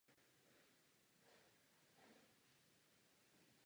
Jako regionální poslankyně konstatuji, že naše spolupráce je příkladná.